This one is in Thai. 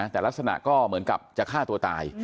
แต่ลักษณะก็เหมือนกับจะฆ่าตัวตาย